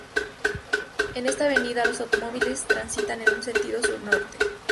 En esta avenida, los automóviles transitan en un sentido sur-norte.